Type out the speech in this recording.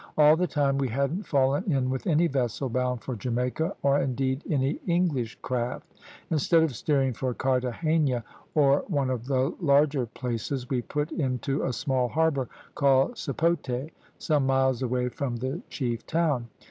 All the time we hadn't fallen in with any vessel bound for Jamaica, or indeed any English craft. Instead of steering for Carthagena, or one of the larger places, we put into a small harbour, called Sapote, some miles away from the chief town.